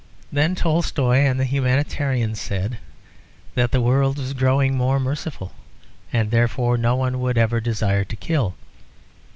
Then Tolstoy and the Humanitarians said that the world was growing more merciful, and therefore no one would ever desire to kill.